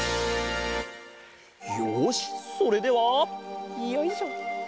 よしそれではよいしょ。